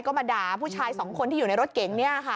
ก็มาด่าผู้ชายสองคนที่อยู่ในรถเก่งเนี่ยค่ะ